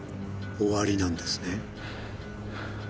終わりなんですね？